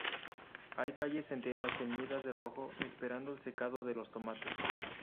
Hay calles enteras teñidas de rojo, esperando el secado de los tomates.